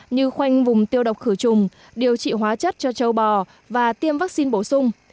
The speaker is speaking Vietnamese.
như khoanh vùng tiêu độc khử trùng điều trị hóa chất cho châu bò và tiêm vaccine bổ sung